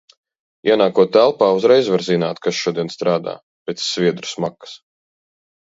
Ienākot telpā, uzreiz var zināt, kas šodien strādā - pēc sviedru smakas.